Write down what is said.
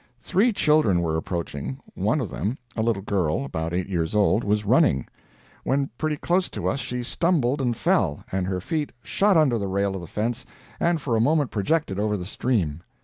Three children were approaching; one of them, a little girl, about eight years old, was running; when pretty close to us she stumbled and fell, and her feet shot under the rail of the fence and for a moment projected over the stream.